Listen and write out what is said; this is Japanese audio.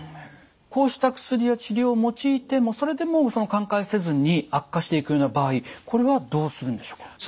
こうした薬や治療を用いてもそれでも寛解せずに悪化していくような場合これはどうするんでしょうか？